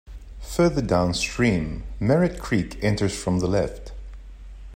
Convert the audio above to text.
Further downstream, Merritt Creek enters from the left.